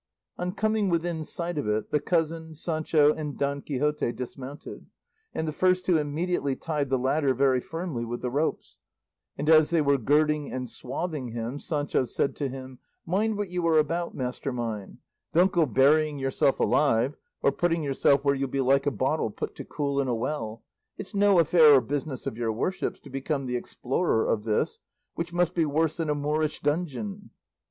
On coming within sight of it the cousin, Sancho, and Don Quixote dismounted, and the first two immediately tied the latter very firmly with the ropes, and as they were girding and swathing him Sancho said to him, "Mind what you are about, master mine; don't go burying yourself alive, or putting yourself where you'll be like a bottle put to cool in a well; it's no affair or business of your worship's to become the explorer of this, which must be worse than a Moorish dungeon."